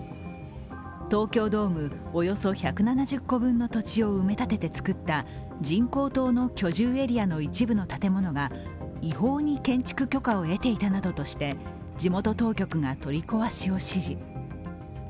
東京ドームおよそ１７０個分の土地を埋め立てて作った人工島の居住エリアの一部の建物が違法に建築許可を得ていたなどとして地元当局が取り壊しを指示。